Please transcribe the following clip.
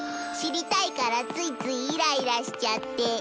知りたいからついついイライラしちゃって。